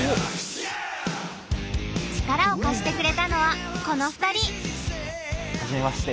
力を貸してくれたのはこの２人！